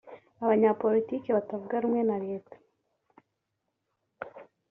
abanyepolitiki batavuga rumwe na leta